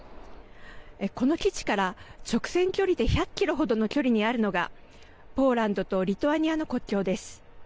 この基地から直線距離で１００キロ程の距離にあるのがポーランドとリトアニアの国境です。